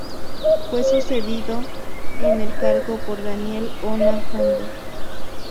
Fue sucedido en el cargo por Daniel Ona Ondo.